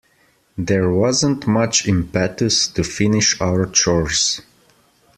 There wasn't much impetus to finish our chores.